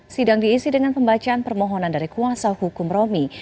sidang diisi dengan pembacaan permohonan dari kuasa hukum romi